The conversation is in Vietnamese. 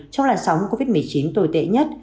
trong làn sóng covid một mươi chín tồi tệ nhất